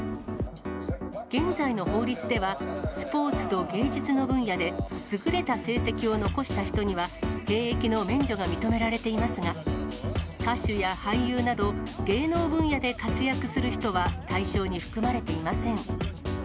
現在の法律では、スポーツと芸術の分野で、優れた成績を残した人には、兵役の免除が認められていますが、歌手や俳優など、芸能分野で活躍する人は対象に含まれていません。